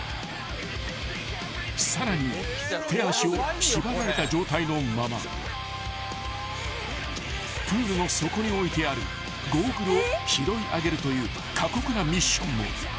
［さらに手足を縛られた状態のままプールの底に置いてあるゴーグルを拾い上げるという過酷なミッションも］